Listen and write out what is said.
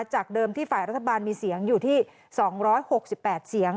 จากเดิมที่ฝ่ายรัฐบาลมีเสียงอยู่ที่๒๖๘เสียง